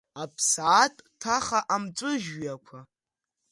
Аԥсаатә-ҭаха амҵәыжәҩақәа.